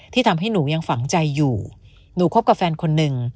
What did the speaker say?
ทำให้หนูยังฝังใจอยู่หนูคบกับแฟนคนหนึ่ง